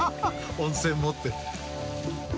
温泉持って。